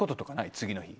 次の日。